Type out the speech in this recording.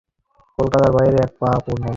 কলকাতার বাইরে এক পা নড়ব না।